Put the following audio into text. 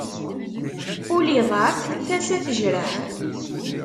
Ul iḍɛef tasa tejreḥ.